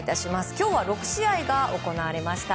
今日は６試合が行われました。